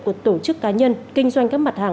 của tổ chức cá nhân kinh doanh các mặt hàng